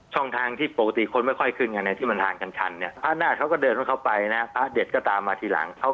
ช่องทางที่ปกติคนไม่ค่อยขึ้นไงที่มันห่างกันชันเนี่ยพระนาฏเขาก็เดินของเขาไปนะพระเด็ดก็ตามมาทีหลังเขา